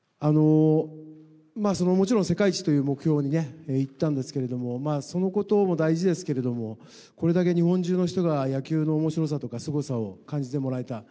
もちろん世界一という目標にいったんですけど、そのことも大事ですけれども、これだけ日本中の人が野球のおもしろさとか、すごさを感じてもらえた。